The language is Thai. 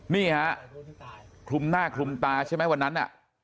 นี่ฮะคลุมหน้าคลุมตาใช่ไหมวันนั้น